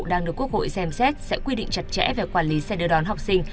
đang được quốc hội xem xét sẽ quy định chặt chẽ về quản lý xe đưa đón học sinh